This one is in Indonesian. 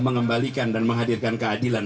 mengembalikan dan menghadirkan keadilan